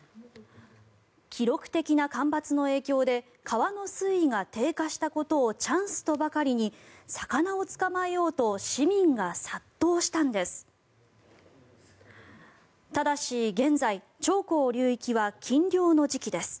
記録的な干ばつの影響で川の水位が低下したことをチャンスとばかりに魚を捕まえようと市民が殺到したんです。